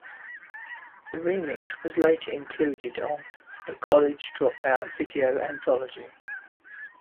The remix was later included on "The College Dropout Video Anthology".